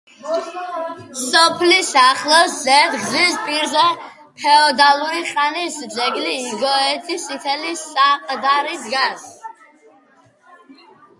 სოფლის ახლოს ზედ გზის პირზე ფეოდალური ხანის ძეგლი იგოეთის წითელი საყდარი დგას.